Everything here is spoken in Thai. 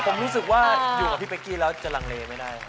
ผมรู้สึกว่าอยู่กับพี่เป๊กกี้แล้วจะลังเลไม่ได้